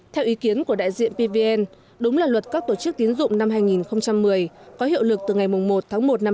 theo ý kiến của đại diện pvn đúng là luật các tổ chức tiến dụng năm hai nghìn một mươi có hiệu lực từ ngày một tháng một năm hai nghìn hai mươi